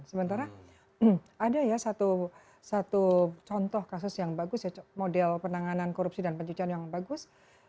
sementara ada ya satu contoh kasus yang bagus ya model penanganan korupsi dan pencucian yang bagus